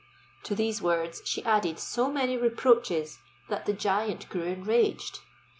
To these words she added so many reproaches, that the giant grew enraged.